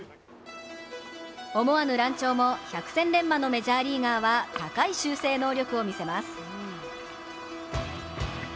思わぬ乱調も百戦錬磨のメジャーリーガーは、高い修正能力を見せます。